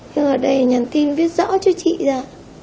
nhưng ở đây nhắn tin viết rõ chữ chị ra